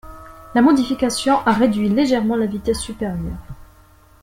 La modification a réduit légèrement la vitesse supérieure.